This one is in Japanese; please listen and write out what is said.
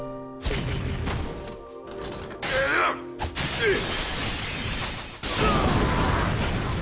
うっ！